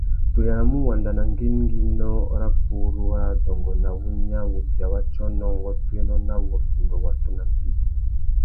Tu yānamú uwanda nà ngüéngüinô râ purú râ adôngô nà wunya, wubia wa tsônô, ngôtōénô na wurrôndô watu nà mpí.